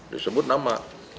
dia sebut nama